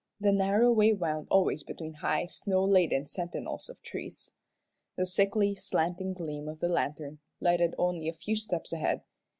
The narrow way wound always between high snow laden sentinels of trees. The sickly, slanting gleam of the lantern lighted only a few steps ahead.